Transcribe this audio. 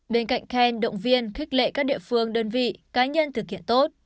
bên cạnh khen động viên khích lệ các địa phương đơn vị cá nhân thực hiện tốt